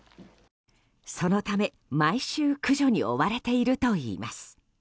そのため、毎週駆除に追われているといいます。